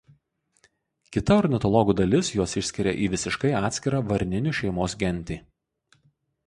Kita ornitologų dalis juos išskiria į visiškai atskirą varninių šeimos gentį.